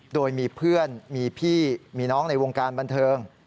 โดยมีเพื่อนมีพี่มีน้องในวงการบันเทิง